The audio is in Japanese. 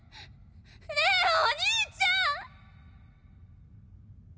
ねえお兄ちゃん！